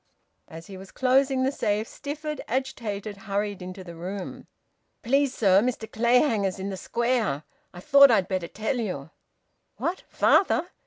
As he was closing the safe, Stifford, agitated, hurried into the room. "Please, sir, Mr Clayhanger's in the Square. I thought I'd better tell you." "What? Father?"